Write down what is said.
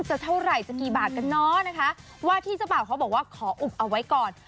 จะเท่าไหร่จะกี่บาทกันเนอะนะคะว่าที่เจ้าบ่าวเขาบอกว่าขออุบเอาไว้ก่อน